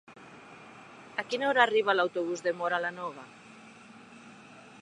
A quina hora arriba l'autobús de Móra la Nova?